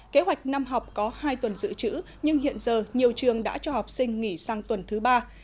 kế hoạch năm học có hai tuần dự trữ nhưng hiện giờ nhiều trường đã cho học sinh nghỉ sang tuần thứ ba